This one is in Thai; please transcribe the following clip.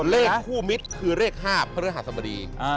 เลขคู่มิตรคือเลขห้ามเพราะเรือหาสมดี